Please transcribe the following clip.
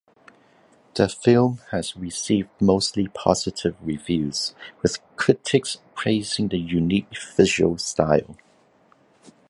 The film has received mostly positive reviews with critics praising its unique visual style.